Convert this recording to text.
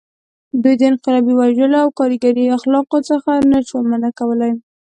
دوی د انقلابي وژلو او کارګري اخلاقو څخه نه شوای منع کولی.